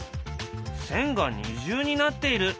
線が二重になっている。